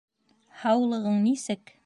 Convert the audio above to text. Һаулығың нисек?